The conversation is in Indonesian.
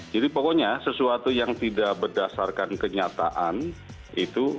jadi pokoknya sesuatu yang tidak berdasarkan kenyataan itu